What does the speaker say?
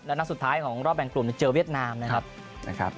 นัดสุดท้ายของรอบแบ่งกลุ่มเจอเวียดนามนะครับ